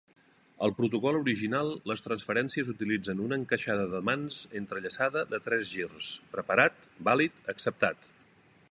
Al protocol original, les transferències utilitzen una encaixada de mans entrellaçada de tres girs "preparat-vàlid-acceptat".